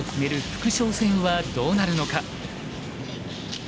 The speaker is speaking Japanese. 副将戦はどうなるのか。